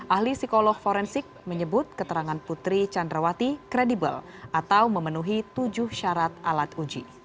ahli psikolog forensik menyebut keterangan putri candrawati kredibel atau memenuhi tujuh syarat alat uji